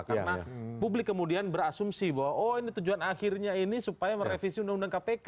karena publik kemudian berasumsi bahwa oh ini tujuan akhirnya ini supaya merevisi undang undang kpk